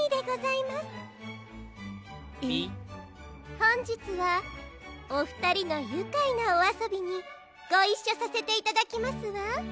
ほんじつはおふたりのゆかいなおあそびにごいっしょさせていただきますわ。